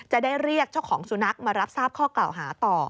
จะได้เรียกเจ้าของสุนัขมารับทราบข้อกล่าวหาต่อ